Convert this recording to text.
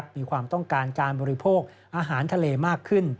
มีความต้องการการบริโภคอาหารทะเลมากขึ้น